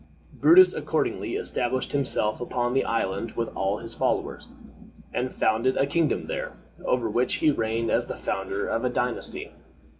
Brutus accordingly established himself upon the island with all his followers, and founded a kingdom there, over which he reigned as the founder of a dynasty.